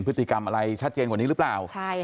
พฤติกรรมอะไรชัดเจนกว่านี้หรือเปล่า